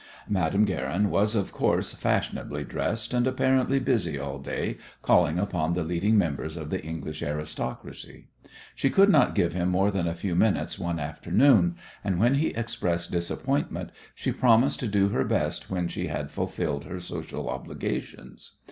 Madame Guerin was, of course, fashionably dressed and apparently busy all day calling upon the leading members of the English aristocracy. She could not give him more than a few minutes one afternoon, and when he expressed disappointment she promised to do her best when she had fulfilled her social obligations.